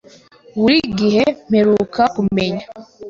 Buri gihe mperuka kumenya.